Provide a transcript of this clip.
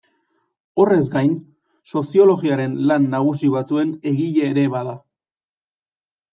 Horrez gain, soziologiaren lan nagusi batzuen egile ere bada.